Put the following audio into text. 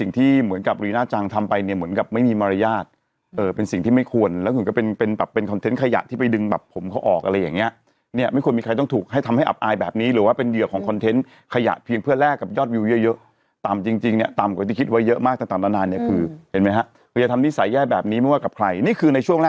สงบสงบสงบสงบสงบสงบสงบสงบสงบสงบสงบสงบสงบสงบสงบสงบสงบสงบสงบสงบสงบสงบสงบสงบสงบสงบสงบสงบสงบสงบสงบสงบสงบสงบสงบสงบสงบสงบสงบสงบสงบสงบสงบสงบสงบสงบสงบสงบสงบสงบสงบสงบสงบสงบสงบส